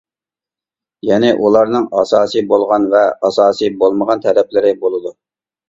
يەنى ئۇلارنىڭ ئاساسى بولغان ۋە ئاساسى بولمىغان تەرەپلىرى بولىدۇ.